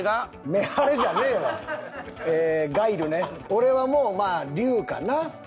俺はもうまあＲＹＵかな。